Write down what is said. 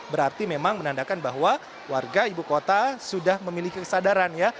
berarti memang menandakan bahwa warga ibu kota sudah memiliki kesadaran ya